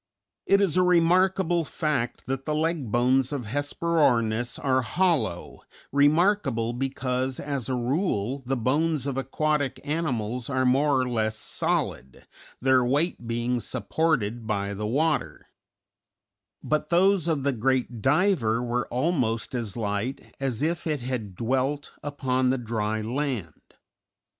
It is a remarkable fact that the leg bones of Hesperornis are hollow, remarkable because as a rule the bones of aquatic animals are more or less solid, their weight being supported by the water; but those of the great diver were almost as light as if it had dwelt upon the dry land.